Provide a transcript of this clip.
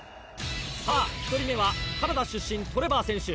さぁ１人目はカナダ出身トレバー選手。